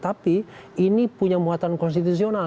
tapi ini punya muatan konstitusional